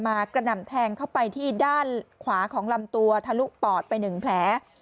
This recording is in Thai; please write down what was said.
กระหน่ำแทงเข้าไปที่ด้านขวาของลำตัวทะลุปอดไป๑แผล